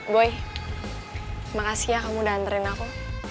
boy makasih ya kamu udah anterin aku